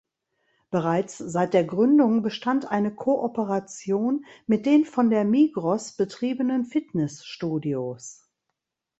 Bereits seit der Gründung bestand eine Kooperation mit den von der Migros betriebenen Fitnessstudios.